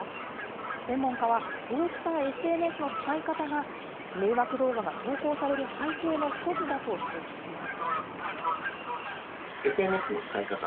専門家は、こうしたＳＮＳの使い方が、迷惑動画が投稿される背景の一つだと指摘します。